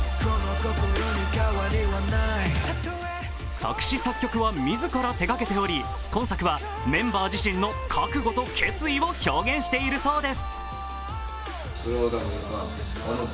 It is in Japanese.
作詞、作曲は自ら手がけており、今作はメンバー自身の覚悟と決意を表現しているそうです。